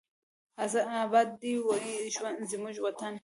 اباد دې وي زموږ وطن.